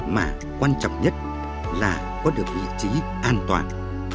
mà quan trọng nhất là có được vị trí an toàn